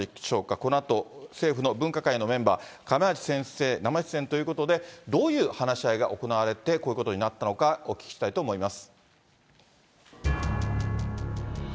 このあと、政府の分科会のメンバー、釜萢先生、生出演ということで、どういう話し合いが行われてこういうことになったのか、お聞きしたいと思います。